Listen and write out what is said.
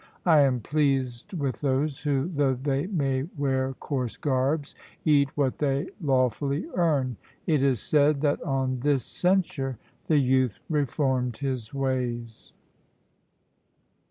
I am pleased with those who, though they may wear coarse garbs, eat what they lawfully earn.' It is said that on this censure the youth reformed his ways.